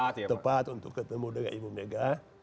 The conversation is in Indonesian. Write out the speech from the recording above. yang baik tepat untuk ketemu dengan ibu mega